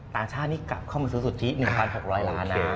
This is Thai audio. ต่างชาตินี่กลับเข้ามาซื้อสุทธิ๑๖๐๐ล้านนะ